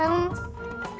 kamu mau ke rumah